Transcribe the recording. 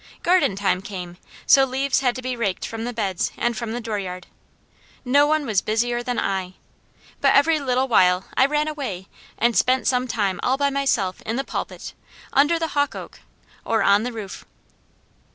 Garden time came, so leaves had to be raked from the beds and from the dooryard. No one was busier than I; but every little while I ran away, and spent some time all by myself in the pulpit, under the hawk oak, or on the roof.